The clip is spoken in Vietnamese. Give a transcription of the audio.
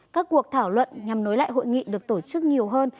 các cuộc thảo luận nhằm nối lại hội nghị được tổ chức nhiều hơn